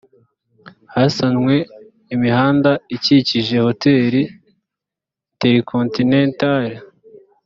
hasanwe imihanda ikikije hotel intercontinental